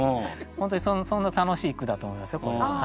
本当にそんな楽しい句だと思いますよこれ。